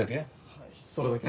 はいそれだけ。